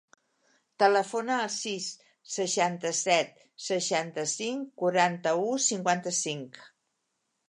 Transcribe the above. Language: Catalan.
Telefona al sis, seixanta-set, seixanta-cinc, quaranta-u, cinquanta-cinc.